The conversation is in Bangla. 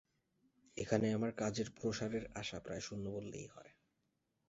এখানে আমার কাজের প্রসারের আশা প্রায় শূন্য বললেই হয়।